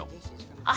あっ